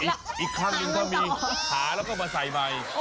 อีกข้างเองก็มีขาแล้วก็มาใส่ใบ